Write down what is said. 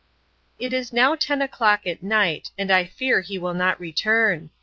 It is now ten o'clock at night, and I fear he will not return.